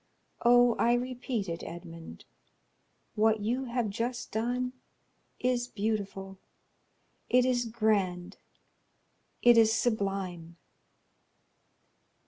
Oh, I repeat it, Edmond; what you have just done is beautiful—it is grand; it is sublime."